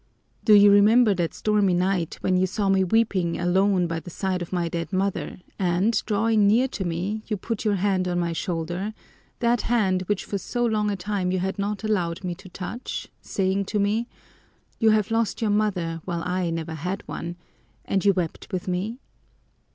Do you remember that stormy night when you saw me weeping alone by the side of my dead mother and, drawing near to me, you put your hand on my shoulder, that hand which for so long a time you had not allowed me to touch, saying to me, 'You have lost your mother while I never had one,' and you wept with me?